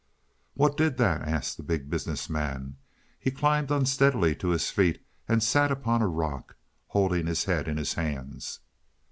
"What did that?" asked the Big Business Man. He climbed unsteadily to his feet and sat upon a rock, holding his head in his hands.